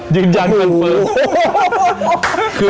ยืนยันก่อนเผลอ